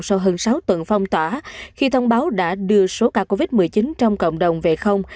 sau hơn sáu tuần phong tỏa khi thông báo đã đưa số ca covid một mươi chín trong cộng đồng về không